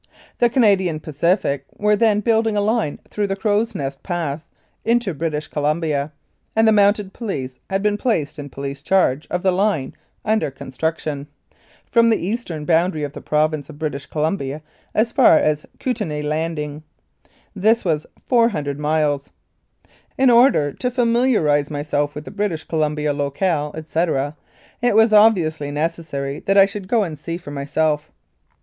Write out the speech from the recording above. The Canadian Pacific were then building a line through the Crow's Nest Pass into British Columbia, and the Mounted Police had been placed in police charge of the line under construction from the eastern boundary of the Province of British Columbia as far as Kootenay Landing. This was 400 miles. In order to familiarise myself with the British Columbia locale, etc., it was obviously necessary that I should go and see for myself.